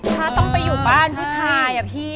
ถ้าต้องไปอยู่บ้านผู้ชายอะพี่